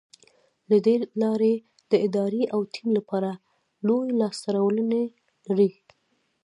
له دې لارې د ادارې او ټيم لپاره لویې لاسته راوړنې ولرئ.